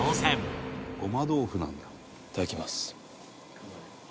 いただきます。